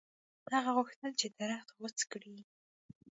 هغه غوښتل چې درخت غوڅ کړي.